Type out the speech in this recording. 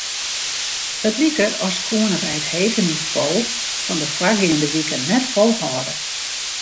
It like as koene wy it hege nivo fan de foargeande wiken net folhâlde.